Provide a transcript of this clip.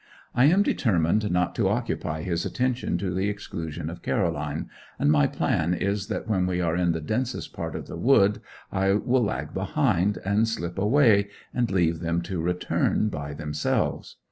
I am determined not to occupy his attention to the exclusion of Caroline, and my plan is that when we are in the dense part of the wood I will lag behind, and slip away, and leave them to return by themselves.